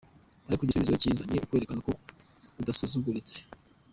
Ariko, igisubizo cyiza ni ukwerekana ko udasuzuguritse.